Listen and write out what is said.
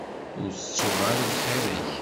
Ur tettuɣ ara lxir-ik.